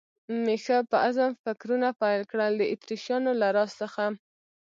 مې ښه په عزم فکرونه پیل کړل، د اتریشیانو له راز څخه.